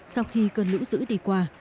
sau khi cơn lũ dữ đi qua